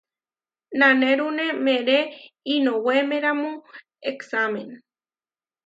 Nanérune meeré inuwémeramu eksámen.